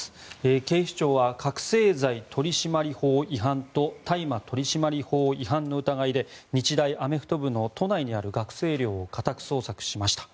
警視庁は覚せい剤取締法違反と大麻取締法違反の疑いで日大アメフト部の都内にある学生寮を家宅捜索しました。